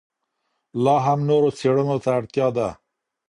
لا هم نورو څېړنو ته اړتیا ده.